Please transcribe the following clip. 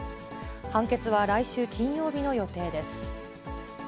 判決は来週金曜日の予定です。